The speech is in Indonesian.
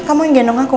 kamu yang gendong aku